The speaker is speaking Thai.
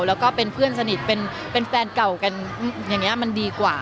แล้วก็เป็นเพื่อนสนิทเป็นแฟนเก่ากันอย่างนี้มันดีกว่า